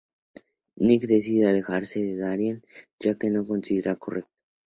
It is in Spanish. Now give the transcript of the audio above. Nick decide alejarse de Darian ya que no lo considera correcto.